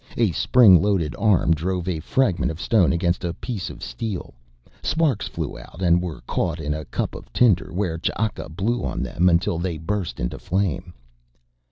A spring loaded arm drove a fragment of stone against a piece of steel, sparks flew out and were caught in a cup of tinder, where Ch'aka blew on them until they burst into flame.